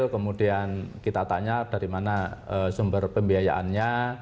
kemudian kita tanya dari mana sumber pembiayaannya